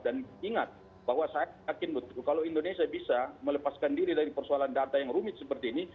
dan ingat bahwa saya yakin betul kalau indonesia bisa melepaskan diri dari persoalan data yang rumit seperti ini